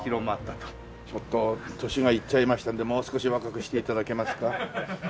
ちょっと年がいっちゃいましたのでもう少し若くして頂けますか。